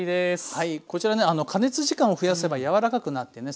はいこちらね加熱時間を増やせば柔らかくなってね